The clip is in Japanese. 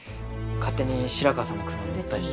勝手に白川さんの車に乗ったりして。